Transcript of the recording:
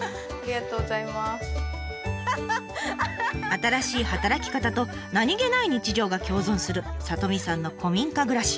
新しい働き方と何気ない日常が共存する里美さんの古民家暮らし。